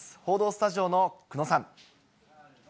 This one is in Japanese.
報道スタジオの久野さん。